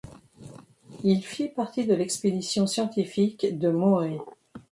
Il fit partie de l'expédition scientifique de Morée.